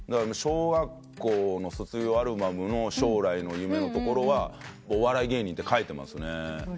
小学校の卒業アルバムの将来の夢のところはお笑い芸人って書いてますね。